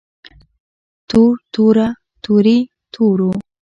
تور توره تورې تورو